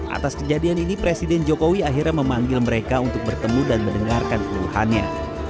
atas kejadian ini presiden jokowi akhirnya memanggil mereka untuk bertemu dan mendengarkan keluhannya